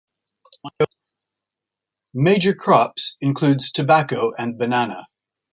Major crops includes Tobacco and Banana.